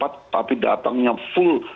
tapi datangnya full